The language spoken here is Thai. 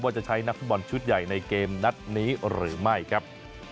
จะใช้นักฟุตบอลชุดใหญ่ในเกมนัดนี้หรือไม่ครับ